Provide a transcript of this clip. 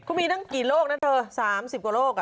คุณพี่ก็ไปนั่งกี่โรคนะเถอะ๓๐กว่าโรค